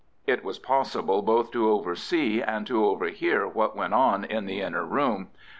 It was possible both to oversee and to overhear what went on in the inner room.